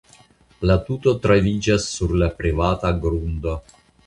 La tuto troviĝas sur privata grundo.